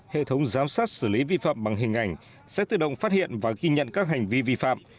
hệ thống giám sát xử lý vi phạm bằng hình ảnh sẽ tự động phát hiện và ghi nhận các hành vi vi phạm